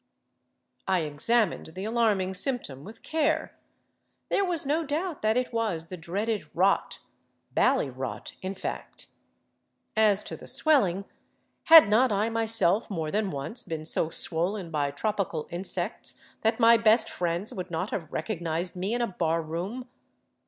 I examined the alarming symptom with care. There was no doubt that it was the dreaded *' rot ""— bally rot, in fact. As to the swelling, had not I myself more than once been so swollen by tropical insects that my best friends would not have recognized me in a bar room?